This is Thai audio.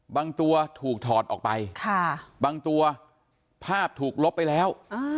บางตัวถูกถอดออกไปบางตัวภาพถูกลบไปแล้ว